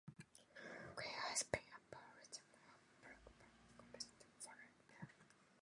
Greeley had been a proponent of Brook Farm's conversion to Fourierism.